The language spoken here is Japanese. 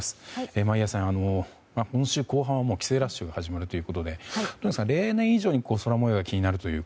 眞家さん、今週後半は帰省ラッシュが始まるということで例年以上に空模様が気になるというか。